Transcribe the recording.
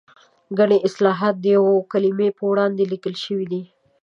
ګڼې اصطلاحګانې د یوې کلمې په وړاندې لیکل شوې دي.